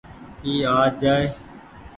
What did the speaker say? اي آج جآئي۔